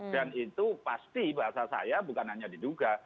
dan itu pasti bahasa saya bukan hanya diduga